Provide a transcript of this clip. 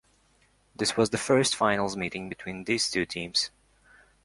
This was the first finals meeting between these two teams.